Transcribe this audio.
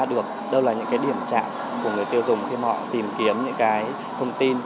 được đâu là những cái điểm chạm của người tiêu dùng khi họ tìm kiếm những cái thông tin